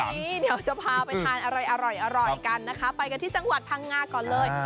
วันนี้เดี๋ยวจะพาไปทานอะไรอร่อยกันนะคะไปกันที่จังหวัดพังงาก่อนเลย